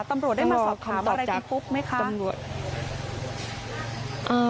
ตำรวจได้มาสอบถามอะไรคุณปุ๊กไหมคะ